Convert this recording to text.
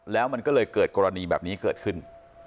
แล้วมันก็เลยเกิดกรณีแบบนี้เกิดขึ้น